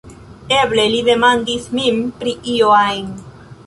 Eble li demandas min pri io ajn!"